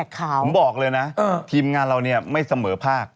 ผมบอกเลยนะทีมงานเราเนี่ยไม่เสมอภาค